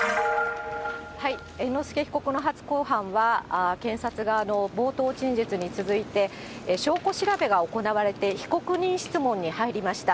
猿之助被告の初公判は、検察側の冒頭陳述に続いて、証拠調べが行われて、被告人質問に入りました。